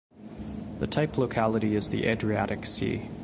The type locality is the Adriatic Sea.